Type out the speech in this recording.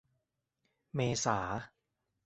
เมษา